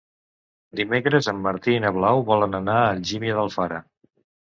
Dimecres en Martí i na Blau volen anar a Algímia d'Alfara.